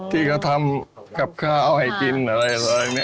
ที่เขาทำขับข้าวให้กินอะไรแบบนี้